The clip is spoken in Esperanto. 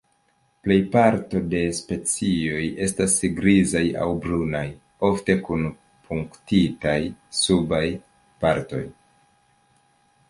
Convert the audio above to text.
Plej parto de specioj estas grizaj aŭ brunaj, ofte kun punktitaj subaj partoj.